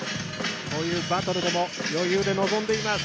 こういうバトルでも余裕で臨んでいます。